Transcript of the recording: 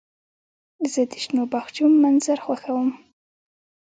زه د شنو باغچو منظر خوښوم.